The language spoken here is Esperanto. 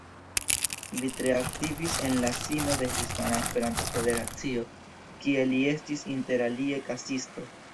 Li tre aktivis en la sino de Hispana Esperanto-Federacio, kie li estis interalie kasisto.